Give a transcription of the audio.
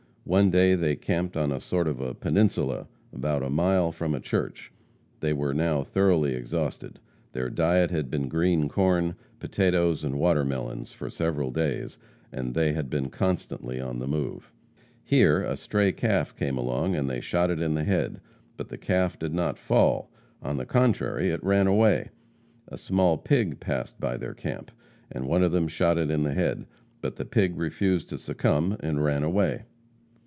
One day they camped on a sort of a peninsula, about half a mile from a church. They were now thoroughly exhausted. Their diet had been green corn, potatoes and watermelons for several days, and they had been constantly on the move. Here a stray calf came along and they shot it in the head, but the calf did not fall, on the contrary, it ran away. A small pig passed by their camp, and one of them shot him in the head. But the pig refused to succumb, and ran away.